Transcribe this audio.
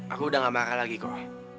aku udah gak makan lagi kok